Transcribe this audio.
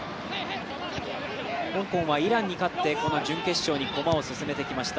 香港はイランに勝ってこの準決勝に駒を進めてきました。